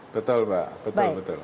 betul pak betul